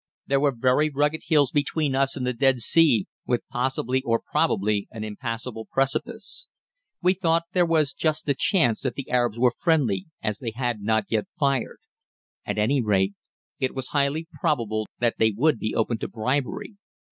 There were very rugged hills between us and the Dead Sea, with possibly or probably an impassable precipice. We thought there was just a chance that the Arabs were friendly as they had not yet fired. At any rate, it was highly probable that they would be open to bribery.